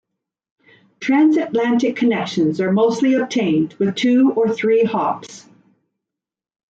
Transatlantic connections are mostly obtained with two or three hops.